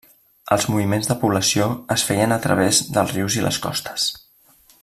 Els moviments de població es feien a través dels rius i les costes.